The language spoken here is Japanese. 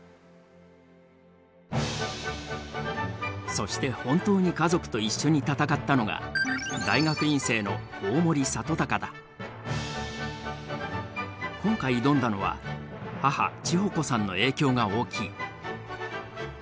そして本当に家族と一緒に闘ったのが今回挑んだのは母智穂子さんの影響が大きい。